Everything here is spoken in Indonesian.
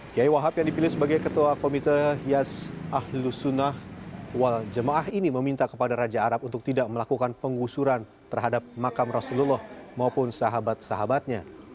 kiai wahab yang dipilih sebagai ketua komite yas ahlus sunnah wal jemaah ini meminta kepada raja arab untuk tidak melakukan penggusuran terhadap makam rasulullah maupun sahabat sahabatnya